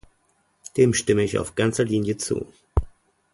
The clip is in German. Dem stimme ich auf ganzer Linie zu.